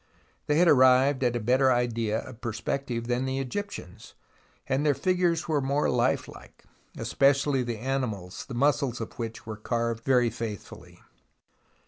They had arrived at a better idea of perspective than the Egyptians, and their figures were more lifelike, especially the animals, the muscles of which were carved very faithfully.